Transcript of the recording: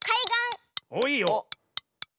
おっいいよ。